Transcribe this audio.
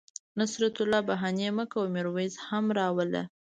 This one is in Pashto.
نصرت الله بهاني مه کوه میرویس هم را وله